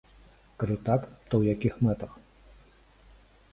Калі так, то ў якіх мэтах?